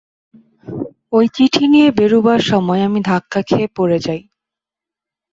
ঐ চিঠি নিয়ে বেরুবার সময় আমি ধাক্কা খেয়ে পড়ে যাই।